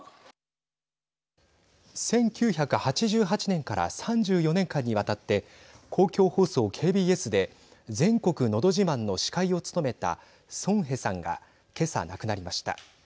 １９８８年から３４年間にわたって公共放送ＫＢＳで全国のど自慢の司会を務めたソン・ヘさんがけさ亡くなりました。